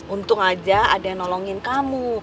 untung aja ada yang nolongin kamu